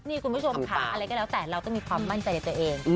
นี่คุณผู้ชมค่ะอะไรก็แล้วแต่เราต้องมีความมั่นใจในตัวเอง